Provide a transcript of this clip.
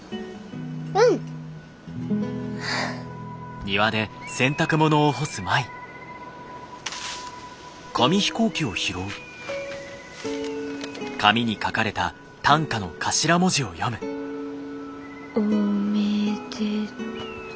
うん！おめでと。